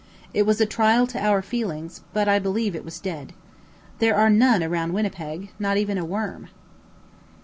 It was a trial to our feelings, but I believe it was dead. There are none around Winnipeg, not even a worm.